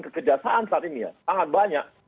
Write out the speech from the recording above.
kejaksaan saat ini ya sangat banyak